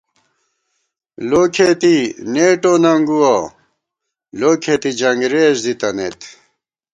لو کھېتی نېٹو ننگُوَہ ، لو کھېتی جنگرېز دی تنَئیت